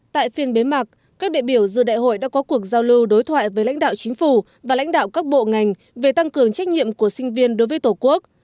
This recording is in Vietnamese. tại phiên bế mạc các đệ biểu dư đại hội đã có cuộc giao lưu đối thoại với lãnh đạo chính phủ và lãnh đạo các bộ ngành về tăng cường trách nhiệm của sinh viên đối với tổ quốc